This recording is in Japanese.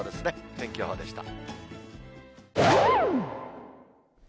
天気予報でした。